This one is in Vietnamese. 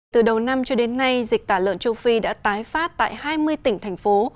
từ đầu năm cho đến nay dịch tả lợn châu phi đã tái phát tại hai mươi tỉnh thành phố